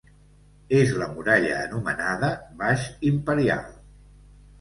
És la muralla anomenada Baix-imperial.